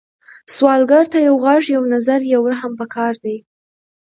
سوالګر ته یو غږ، یو نظر، یو رحم پکار دی